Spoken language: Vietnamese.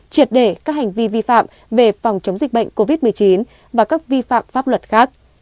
triệt để các hành vi vi phạm về phòng chống dịch bệnh covid một mươi chín và các vi phạm pháp luật khác